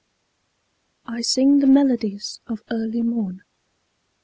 I sing the melodies of early morn.